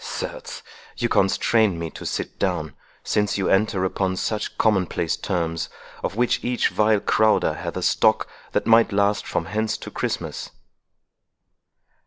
Certes, you constrain me to sit down, since you enter upon such commonplace terms, of which each vile crowder hath a stock that might last from hence to Christmas."